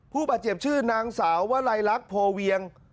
ผู้บาดเจ็บชื่อนางสาววลัยลักษณ์โพเวียง